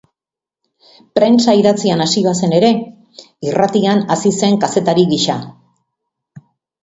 Prentsa idatzian hasi bazen ere, irratian hazi zen kazetari gisa.